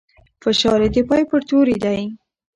فشار يې د پای پر توري دی.